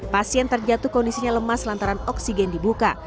pasien terjatuh kondisinya lemas lantaran oksigen dibuka